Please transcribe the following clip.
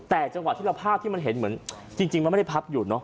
แต่จังหวะที่เราภาพที่มันเห็นเหมือนจริงมันไม่ได้พับอยู่เนาะ